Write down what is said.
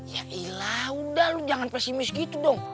ya ilah udah lu jangan pesimis gitu dong